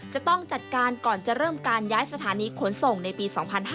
จะต้องจัดการก่อนจะเริ่มการย้ายสถานีขนส่งในปี๒๕๕๙